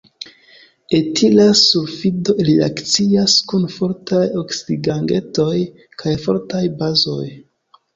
Etila sulfido reakcias kun fortaj oksidigagentoj kaj fortaj bazoj.